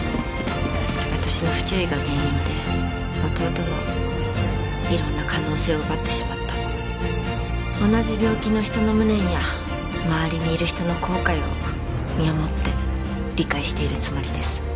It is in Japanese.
私の不注意が原因で弟の色んな可能性を奪ってしまった同じ病気の人の無念や周りにいる人の後悔を身をもって理解しているつもりです